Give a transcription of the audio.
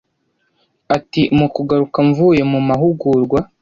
Ati “Mu kugaruka mvuye mu mahugurwa